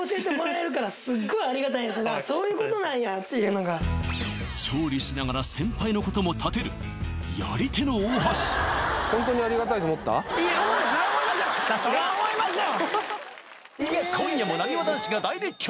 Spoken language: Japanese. そういうことなんやっていうのが調理しながら先輩のこともたてるやり手の大橋思いましたよ